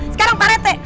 sekarang pak rt